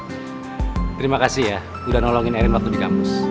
terima kasih ya udah nolongin erin waktu di kampus